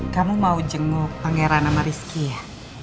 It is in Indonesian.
kamu mau jenguk pangeran sama rizky ya